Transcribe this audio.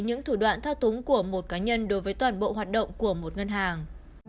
những thủ đoạn thao túng của một cá nhân đối với toàn bộ hoạt động của một ngân hàng